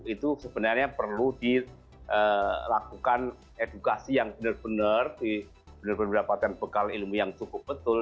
itu sebenarnya perlu dilakukan edukasi yang benar benar mendapatkan bekal ilmu yang cukup betul